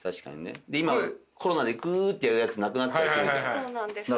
で今コロナでクーッてやるやつなくなってたりするじゃん。